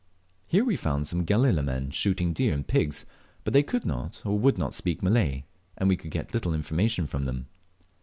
Here we found some Galela men shooting deer and pigs; but they could not or would not speak Malay, and we could get little information from them.